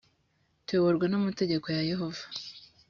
tuyoborwa n amategeko ya yehova